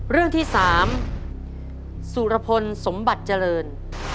เรื่องที่๓สุรพลสมบัติเจริญ